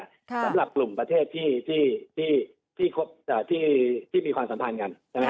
สำหรับกลุ่มประเทศที่มีความสัมพันธ์กันใช่ไหม